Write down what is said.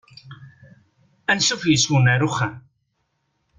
Ansuf yes-wen ar uxxam.